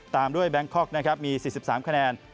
ตามด้วยแบงคอกนะครับมี๔๓คะแนน